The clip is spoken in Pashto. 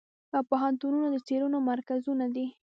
پوهنتونونه د څیړنو مرکزونه دي.